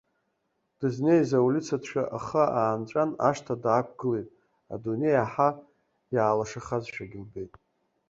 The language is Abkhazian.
Дызныз аулица ҭшәа ахы аанҵәан, ашҭа даақәгылеит, адунеи иаҳа иаалашахазшәагьы лбеит.